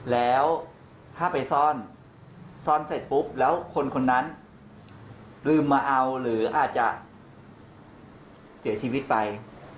แล้วถ้าไปซ่อนซ่อนเสร็จปุ๊บแล้วคนคนนั้นลืมมาเอาหรืออาจจะเสียชีวิตไป